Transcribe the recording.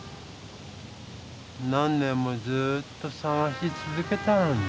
何年もずっとさがしつづけたのにな。